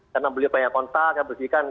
karena beliau banyak kontak kita berpikirkan